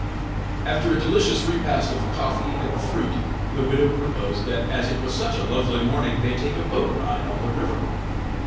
After a delicious repast of coffee and fruit the widow proposed that as it was such a lovely morning they take a boat ride on the river.